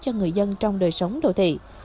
cho người dân trong đời sống đồ thị